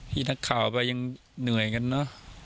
ที่นักข่าวไปยังเหนื่อยกันเนอะ